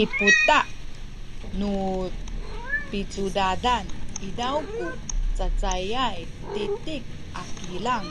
i putah nu picudadan izaw ku cacayay titic a kilang